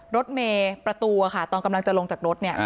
รถเมย์ประตูค่ะตอนกำลังจะลงจากรถเนี่ย